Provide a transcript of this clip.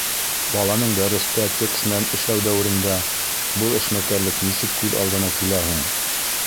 Баланың дәрестә текст менән эшләү дәүерендә был эшмәкәрлек нисек күҙ алдына килә һуң?